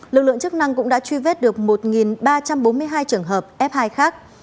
lực lượng chức năng cũng đã truy vết được một ba trăm bốn mươi hai trường hợp f hai khác